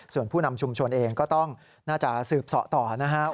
ส่วนผู้นำชุมชนเองก็ต้องน่าจะสืบเสาะต่อนะครับ